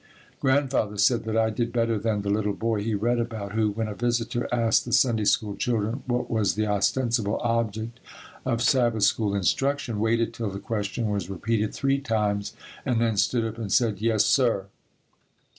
Grandfather said that I did better than the little boy he read about who, when a visitor asked the Sunday School children what was the ostensible object of Sabbath School instruction, waited till the question was repeated three times and then stood up and said, "Yes, sir."